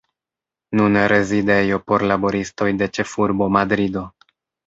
Nune rezidejo por laboristoj de ĉefurbo Madrido.